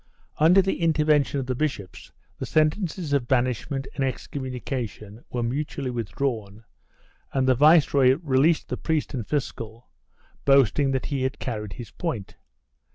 Under the intervention of the bishops the sentences of banish ment and excommunication were mutually withdrawn, and the viceroy released the priest and fiscal, boasting that he had car ried his point.